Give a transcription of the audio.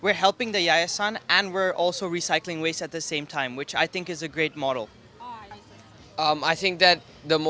jadi kami membantu yayasan dan kami juga memotong permasalahan pada saat yang sama yang saya pikir adalah model yang bagus